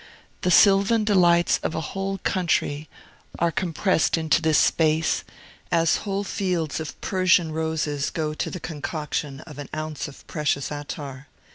The sylvan delights of a whole country are compressed into this space, as whole fields of Persian roses go to the concoction of an ounce of precious attar.